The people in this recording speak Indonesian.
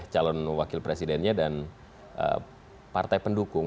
calon wakil presidennya dan partai pendukung